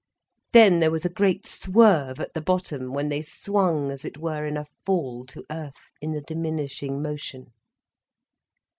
Then there was a great swerve at the bottom, when they swung as it were in a fall to earth, in the diminishing motion.